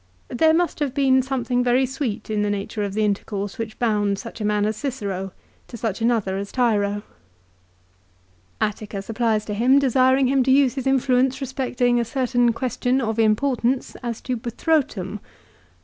There must have been something very sweet in the nature of the intercourse which bound such a man as Cicero to such another as Tiro. 1 Ad Div. lib. xvi. 23. CESAR'S DEATH. 221 Atticus applies to him, desiring him to use his influence respecting a certain question of importance as to Buthrotum.